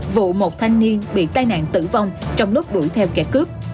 vụ một thanh niên bị tai nạn tử vong trong lúc đuổi theo kẻ cướp